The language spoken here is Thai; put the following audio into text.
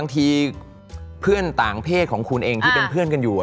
ทีเพื่อนต่างเพศของคุณเองที่เป็นเพื่อนกันอยู่